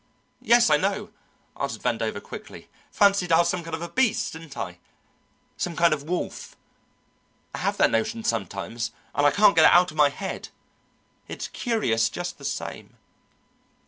"Yes, I know," answered Vandover quickly. "Fancied I was some kind of a beast, didn't I some kind of wolf? I have that notion sometimes and I can't get it out of my head. It's curious just the same."